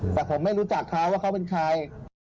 แต่ผมไม่รู้จักเขาว่าเขาเป็นใคร